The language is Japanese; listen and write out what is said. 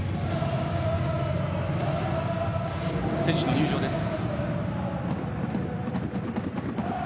選手の入場です。